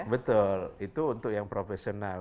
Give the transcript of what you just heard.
betul itu untuk yang profesional